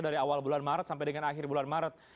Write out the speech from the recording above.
dari awal bulan maret sampai dengan akhir bulan maret